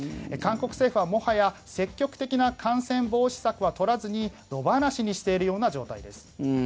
韓国政府はもはや積極的な感染防止策は取らずに野放しにしているような状態です。